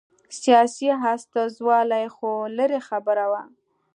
سیاسي استازولي خو لرې خبره وه.